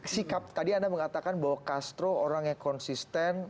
sikap tadi anda mengatakan bahwa castro orang yang konsisten